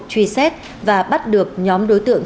truy xét và bắt được nhóm đối tượng